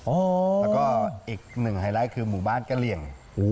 แล้วก็อีกหนึ่งไฮไลท์คือหมู่บ้านกะเหลี่ยง